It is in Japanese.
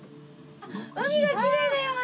海がきれいだよほら！